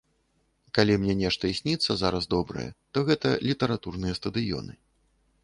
Калі мне нешта і сніцца зараз добрае, то гэта літаратурныя стадыёны.